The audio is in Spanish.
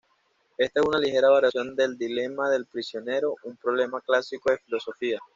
Esta es una ligera variación del dilema del prisionero, un problema clásico de filosofía.